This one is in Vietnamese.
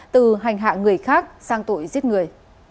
từ hành hạ người khác sang tội giết người